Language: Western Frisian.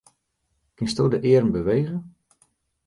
Kinsto de earm bewege?